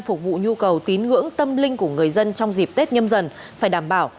phục vụ nhu cầu tín ngưỡng tâm linh của người dân trong dịp tết nhâm dần phải đảm bảo